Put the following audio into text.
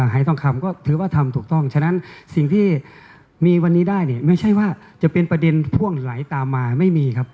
หายทองคำก็ถือว่าทำถูกต้องฉะนั้นสิ่งที่มีวันนี้ได้เนี่ยไม่ใช่ว่าจะเป็นประเด็นพ่วงไหลตามมาไม่มีครับ